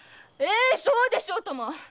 そうでしょうとも！